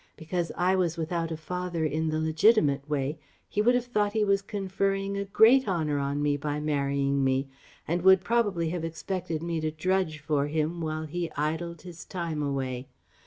Because I was without a father in the legitimate way he would have thought he was conferring a great honour on me by marrying me, and would probably have expected me to drudge for him while he idled his time away....